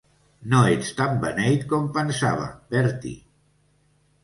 No ets tan beneit com pensava, Bertie.